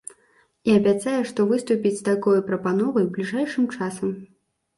І абяцае, што выступіць з такой прапановай бліжэйшым часам.